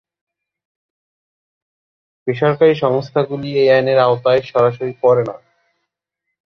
বেসরকারী সংস্থাগুলি এই আইনের আওতায় সরাসরি পড়ে না।